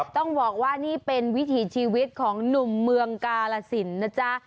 ต้องบอกว่านี่เป็นวิถีชีวิตของหนุ่มเมืองกาลสินนะจ๊ะ